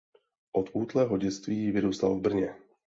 Od útlého dětství vyrůstal v Brně.